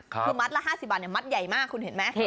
คือมัดละ๕๐บาทมัดใหญ่มากคุณเห็นไหม